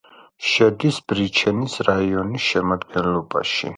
შედის ბრიჩენის რაიონის შემადგენლობაში.